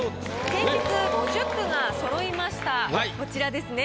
先日５０句がそろいましたこちらですね。